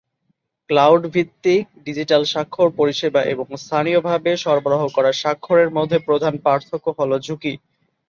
Cloud ভিত্তিক digital স্বাক্ষর পরিষেবা এবং স্থানীয়ভাবে সরবরাহ করা স্বাক্ষরের মধ্যে প্রধান পার্থক্য হল ঝুঁকি।